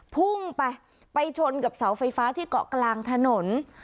พุ่งไปไปชนกับเสาไฟฟ้าที่เกาะกลางถนน